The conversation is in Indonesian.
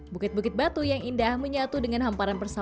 bukit bukit batu yang indah menyatu dengan hamparan